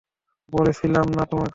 বলেছিলাম না তোমাকে?